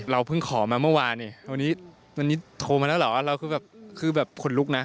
เพิ่งขอมาเมื่อวานเนี่ยวันนี้วันนี้โทรมาแล้วเหรอเราคือแบบคือแบบขนลุกนะ